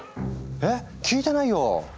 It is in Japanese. えっ聞いてないよ！